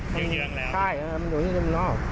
เหยื่องแล้วใช่อยู่นี่อยู่นั่น